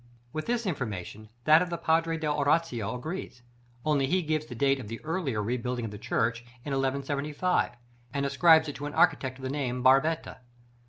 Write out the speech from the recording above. With this information that of the Padre dell' Oratoria agrees, only he gives the date of the earlier rebuilding of the church in 1175, and ascribes it to an architect of the name of Barbetta.